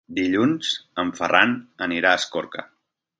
Dilluns en Ferran anirà a Escorca.